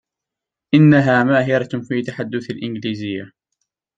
إنها ماهرة في تحدث الإنجليزية.